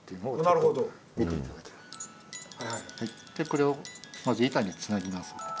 これをまず板につなぎます